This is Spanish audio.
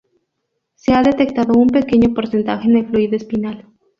Se ha detectado un pequeño porcentaje en el fluido espinal.